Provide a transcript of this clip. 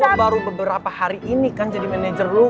gue baru beberapa hari ini kan jadi manager lo